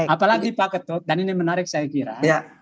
apalagi pak ketut dan ini menarik saya kira